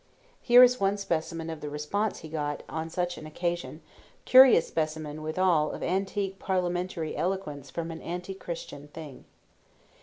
Here is one specimen of the response he got on such an occasion; curious specimen, withal, of antique parliamentary eloquence from an Anti Christian Thing.